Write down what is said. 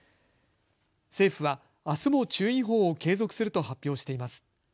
政府はあすも注意報を継続すると発表しています。